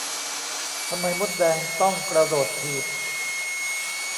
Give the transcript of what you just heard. ทำไมมดแดงต้องกระโดดถีบ